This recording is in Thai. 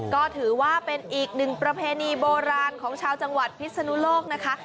ก็ถือว่าเป็นอีกหนึ่งประเพณีโบราณของชาวจังหวัดพิศนุโลกนะคะ